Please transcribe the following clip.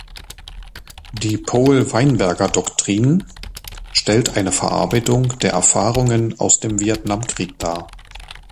Die Powell-Weinberger-Doktrin stellt eine Verarbeitung der Erfahrungen aus dem Vietnamkrieg dar.